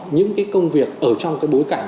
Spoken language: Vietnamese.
những cái công việc ở trong cái bối cảnh